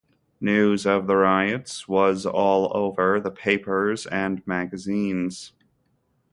News of the riots was all over the papers and magazines.